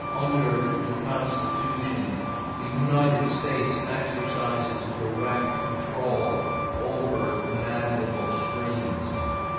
Under the Constitution, the United States exercises direct control over navigable streams.